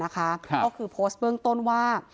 ก็คือโพสต์เบื้องต้นว่า